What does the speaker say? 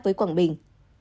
với quảng bình